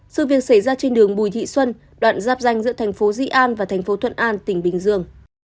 sự việc xảy ra trên đường bùi thị xuân đoạn giáp danh giữa thành phố di an và thành phố thuận an tỉnh bình dương